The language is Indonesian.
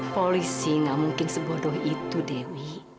polisi gak mungkin sebodoh itu dewi